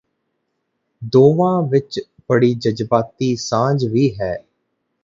ਦੋਵਾਂ ਵਿਚ ਬੜੀ ਜ਼ਜ਼ਬਾਤੀ ਸਾਂਝ ਵੀ ਹੈ